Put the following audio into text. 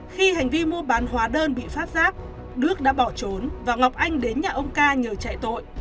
khi hành vi mua bán hóa đơn bị phát giác đức đã bỏ trốn và ngọc anh đến nhà ông ca nhờ chạy tội